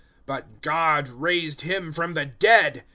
013:030 "But God raised Him from the dead.